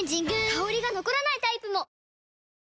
香りが残らないタイプも！